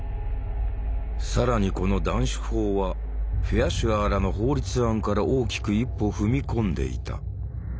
更にこの「断種法」はフェアシュアーらの法律案から大きく一歩踏み込んでいた。